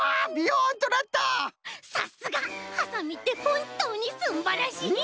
さすがハサミってほんとうにすんばらしい！